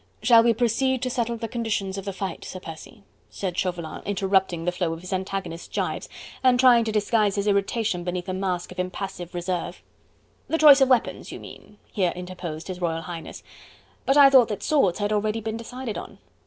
"Shall we proceed to settle the conditions of the fight, Sir Percy?" said Chauvelin, interrupting the flow of his antagonist's gibes, and trying to disguise his irritation beneath a mask of impassive reserve. "The choice of weapons you mean," here interposed His Royal Highness, "but I thought that swords had already been decided on."